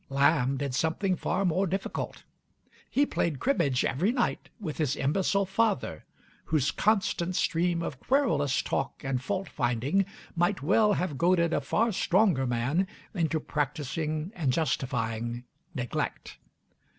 Lamb did something far more difficult: he played cribbage every night with his imbecile father, whose constant stream of querulous talk and fault finding might well have goaded a far stronger man into practicing and justifying neglect.